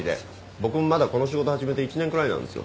僕もまだこの仕事始めて１年くらいなんですよ。